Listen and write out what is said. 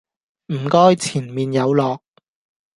唔該前面有落